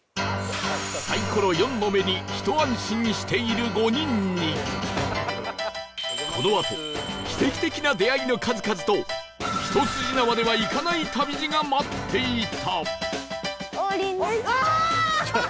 サイコロ「４」の目にひと安心している５人にこのあと奇跡的な出会いの数々と一筋縄ではいかない旅路が待っていた